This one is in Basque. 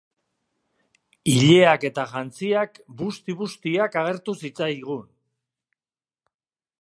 Ileak eta jantziak busti-bustiak agertu zitzaigun.